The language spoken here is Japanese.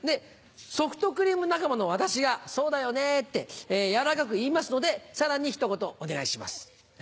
ソフトクリーム仲間の私が「そうだよね」って柔らかく言いますのでさらにひと言お願いします。